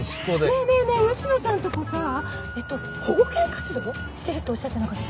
ねえねえねえ吉野さんとこさ保護犬活動してるっておっしゃってなかった？